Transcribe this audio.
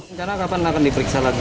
rencana kapan akan diperiksa lagi